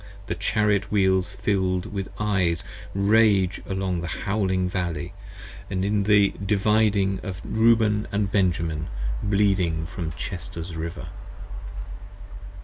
The Chariot Wheels filled with Eyes rage along the howling Valley, In the Dividing of Reuben & Benjamin bleeding from Chester's River.